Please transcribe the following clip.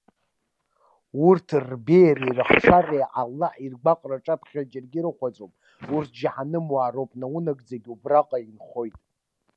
Урҭ, рбеиареи рыхшареи, Аллаҳ иргәаҟра аҿаԥхьа џьарагьы ирыхәаӡом. Урҭ џьаҳанымуаа роуп, наунагӡагьы убраҟа инхоит.